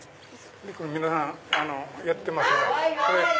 皆さんやってますが。